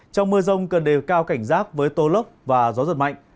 trong mưa rông cần đề cao cảnh giác với tô lốc và gió giật mạnh